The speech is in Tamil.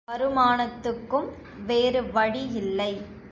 வருமானத்துக்கும் வேறு வழியில்லை.